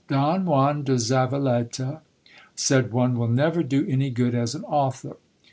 Don Juan de Zavaleta, said one, will never do any good as an author.